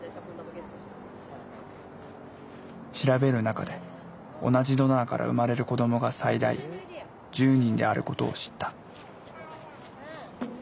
調べる中で同じドナーから生まれる子どもが最大１０人であることを知った。